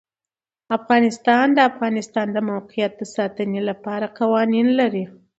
افغانستان د د افغانستان د موقعیت د ساتنې لپاره قوانین لري.